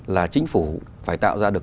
là chính phủ phải tạo ra được